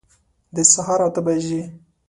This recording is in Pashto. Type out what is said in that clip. د سهار اته بجي